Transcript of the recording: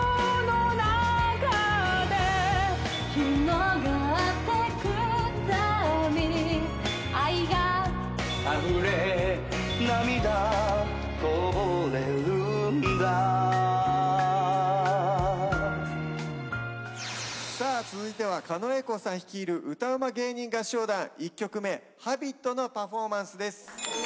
「広がってくたび」「愛が」「溢れ」「涙こぼれるんだ」さあ続いては狩野英孝さん率いる歌ウマ芸人合唱団１曲目『Ｈａｂｉｔ』のパフォーマンスです。